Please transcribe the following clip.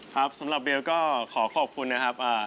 สำหรับเบลก็ขอขอบคุณนะครับ